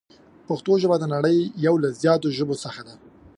پښتو ژبه د نړۍ یو له زیاتو ژبو څخه ده.